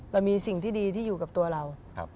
เรามีสิ่งที่ดีที่อยู่กับตัวเรา